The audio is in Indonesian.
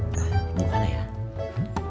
bapaknya makannya udah selesai